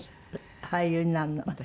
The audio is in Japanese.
俳優になるのは。